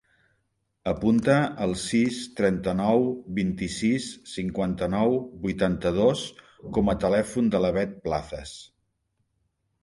Apunta el sis, trenta-nou, vint-i-sis, cinquanta-nou, vuitanta-dos com a telèfon de la Beth Plazas.